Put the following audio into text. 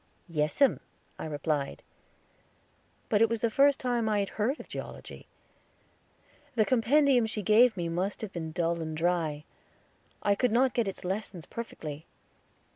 "Yes 'em," I replied; but it was the first time that I had heard of Geology. The compendium she gave me must have been dull and dry. I could not get its lessons perfectly.